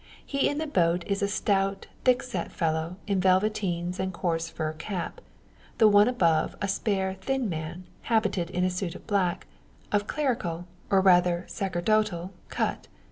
He in the boat is a stout, thick set fellow in velveteens and coarse fur cap, the one above a spare thin man, habited in a suit of black of clerical, or rather sacerdotal, cut.